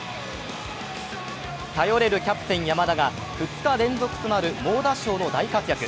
頼れるキャプテン・山田が２日連続となる猛打賞の大活躍。